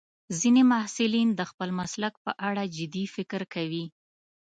ځینې محصلین د خپل مسلک په اړه جدي فکر کوي.